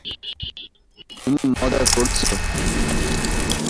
তুমি মজা করছো।